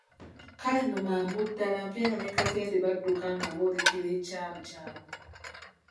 Kale nno amangu ago Mpeera ne Katende badduka nga boolekera ekyalo kyabwe.